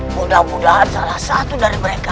mudah mudahan salah satu dari mereka